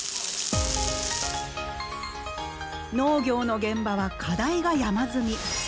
農業の現場は課題が山積み。